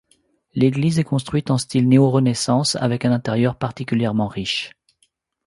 L'église est construite en style néo-renaissance avec un intérieur particulièrement riche.